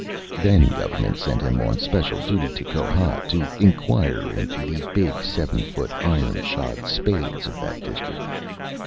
Then Government sent him on special duty to Kohat, to "inquire into" the big seven foot, iron shod spades of that District.